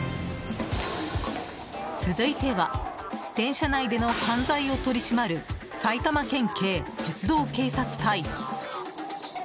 続いては電車内での犯罪を取り締まる埼玉県警鉄道警察隊。